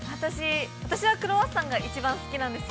◆私はクロワッサンが一番好きなんですよ。